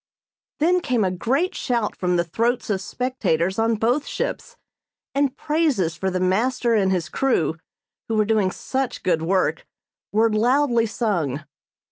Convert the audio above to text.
Then came a great shout from the throats of spectators on both ships, and praises for the master and his crew who were doing such good work were loudly sung.